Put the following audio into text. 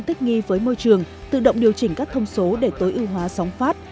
các doanh nghi với môi trường tự động điều chỉnh các thông số để tối ưu hóa sóng phát